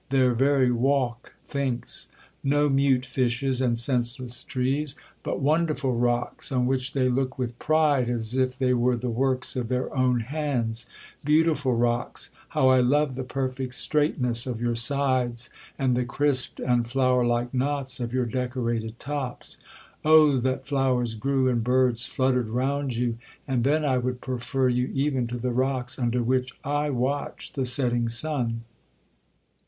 —their very walk thinks. No mute fishes, and senseless trees, but wonderful rocks,1 on which they look with pride, as if they were the works of their own hands. Beautiful rocks! how I love the perfect straitness of your sides, and the crisped and flower like knots of your decorated tops! Oh that flowers grew, and birds fluttered round you, and then I would prefer you even to the rocks under which I watch the setting sun!